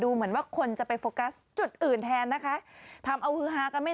เหมือนว่าคนจะไปโฟกัสจุดอื่นแทนนะคะทำเอาฮือฮากันไม่